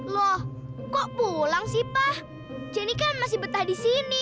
loh kok pulang sih pak jenny kan masih betah di sini